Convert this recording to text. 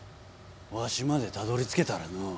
わしまでたどりつけたらのう。